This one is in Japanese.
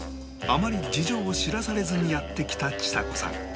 あまり事情を知らされずにやって来たちさ子さん